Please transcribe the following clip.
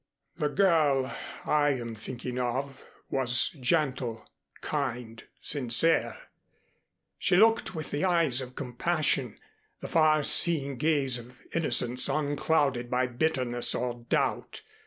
The girl I am thinking of was gentle, kind, sincere. She looked with the eyes of compassion, the far seeing gaze of innocence unclouded by bitterness or doubt.